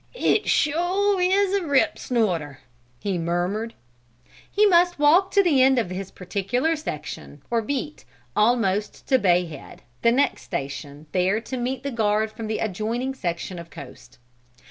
"It sure is a rip snorter!" he murmured. He must walk to the end of his particular section, or beat almost to Bay Head the next station, there to meet the guard from the adjoining section of coast.